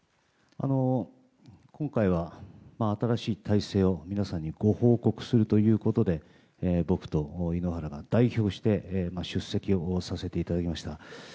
今回は新しい体制を皆さんにご報告するということで僕と井ノ原が代表して出席をさせていただきました。